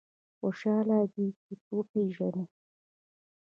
خوشاله دی چې وپېژني.